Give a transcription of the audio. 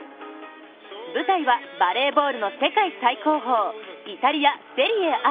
舞台はバレーボールの世界最高峰、イタリア・セリエＡ。